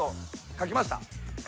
書きました。